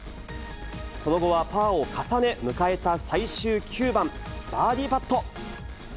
その後はパーを重ね、迎えた最終９番、バーディーパット。